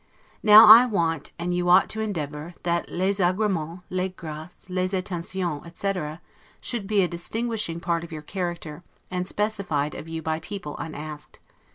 Now I want, and you ought to endeavor, that 'les agremens, les graces, les attentions', etc., should be a distinguishing part of your character, and specified of you by people unasked.